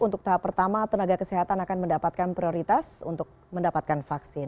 untuk tahap pertama tenaga kesehatan akan mendapatkan prioritas untuk mendapatkan vaksin